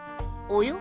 およ？